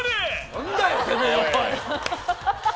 何だよてめえ、おい！